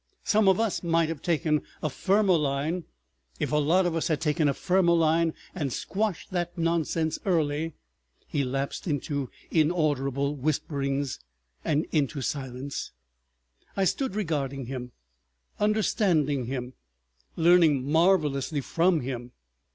Some of us might have taken a firmer line. ... If a lot of us had taken a firmer line and squashed that nonsense early. ..." He lapsed into inaudible whisperings, into silence. ... I stood regarding him, understanding him, learning marvelously from him.